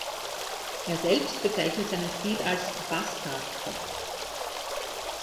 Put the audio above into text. Er selbst bezeichnet seinen Stil als „Bastard-Pop“.